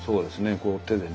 こう手でね。